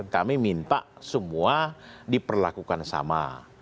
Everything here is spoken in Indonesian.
kami minta semua diperlakukan sama